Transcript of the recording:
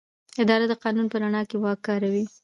اداره د قانون په رڼا کې واک کاروي.